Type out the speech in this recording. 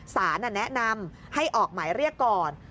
สารแนะนำให้ออกหมายเรียกก่อน